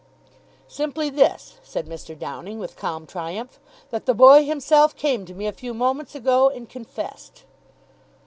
"Simply this," said Mr. Downing, with calm triumph, "that the boy himself came to me a few moments ago and confessed."